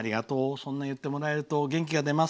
そんな言ってもらえると元気が出ます。